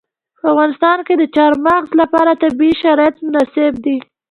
په افغانستان کې د چار مغز لپاره طبیعي شرایط مناسب دي.